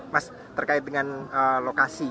mas terkait dengan lokasi